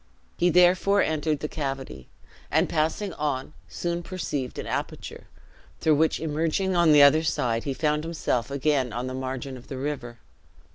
He therefore entered the cavity, and passing on, soon perceived an aperture, through which emerging on the other side, he found himself again on the margin of the river.